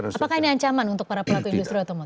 apakah ini ancaman untuk para pelaku industri otomotif